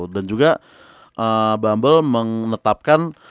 dan juga bambel menetapkan